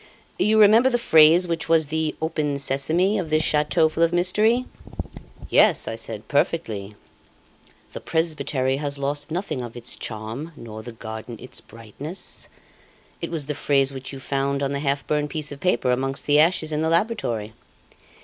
You remember the phrase which was the 'open sesame' of this chateau full of mystery?" "Yes," I said, "perfectly, 'The presbytery has lost nothing of its charm, nor the garden its brightness.' It was the phrase which you found on the half burned piece of paper amongst the ashes in the laboratory."